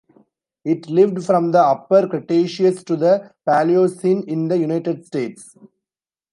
It lived from the Upper Cretaceous to the Paleocene in the United States.